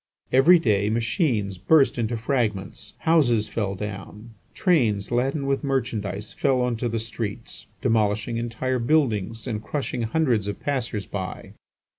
Every day, machines burst into fragments, houses fell down, trains laden with merchandise fell on to the streets, demolishing entire buildings and crushing hundreds of passers by.